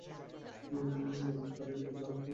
গেমটিতে গাড়ির ও অন্যান্য যানবাহনের সংখ্যা বাড়ানো হয়েছে।